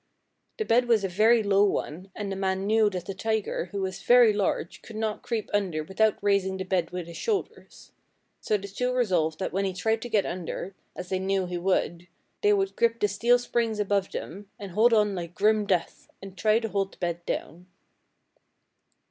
The bed was a very low one, and the man knew that the tiger, who was very large, could not creep under without raising the bed with his shoulders. So the two resolved that when he tried to get under, as they knew he would, they would grip the steel springs above them and hold on like grim death, and try to hold the bed down.